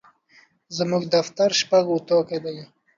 زموږ دفتر شپږ اطاقه دي.